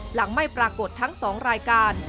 หลังไม่ปรากฏทั้ง๒รายการ